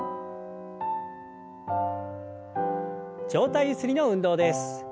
上体ゆすりの運動です。